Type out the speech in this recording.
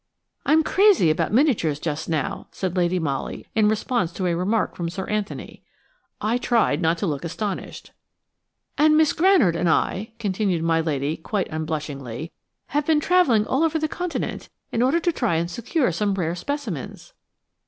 "I am crazy about miniatures just now," said Lady Molly in response to a remark from Sir Anthony. I tried not to look astonished. "And Miss Granard and I," continued my lady, quite unblushingly, "have been travelling all over the Continent in order to try and secure some rare specimens."